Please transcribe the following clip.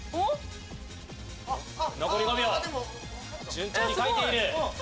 順調に描いている！